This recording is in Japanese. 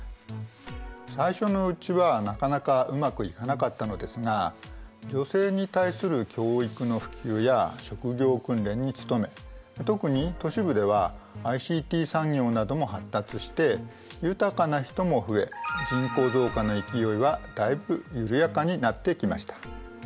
最初のうちはなかなかうまくいかなかったのですが女性に対する教育の普及や職業訓練に努め特に都市部ではＩＣＴ産業なども発達して豊かな人も増え人口増加の勢いはだいぶ緩やかになってきました。